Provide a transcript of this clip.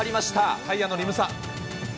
タイヤのリム差。